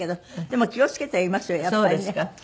でも気を付けてはいますよやっぱりね。